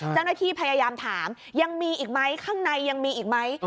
เจ้าหน้าที่พยายามถามยังมีอีกไหมข้างในยังมีอีกไหม